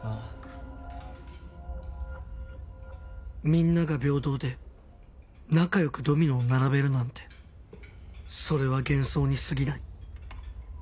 みんなが平等で仲良くドミノを並べるなんてそれは幻想にすぎない